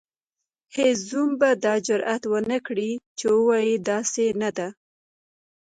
هیڅ زوم به دا جرئت ونکړي چې ووايي داسې نه ده.